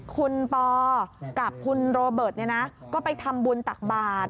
คุณปอกับคุณโรเบิร์ตก็ไปทำบุญตักบาท